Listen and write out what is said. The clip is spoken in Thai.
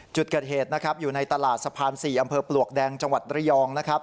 จุดเกิดเหตุนะครับอยู่ในตลาดสะพาน๔อำเภอปลวกแดงจังหวัดระยองนะครับ